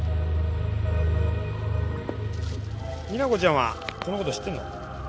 実那子ちゃんはこのこと知ってんの？